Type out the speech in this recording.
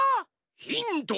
ヒント！